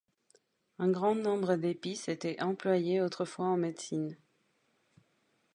Un grand nombre d'épices étaient employées autrefois en médecine.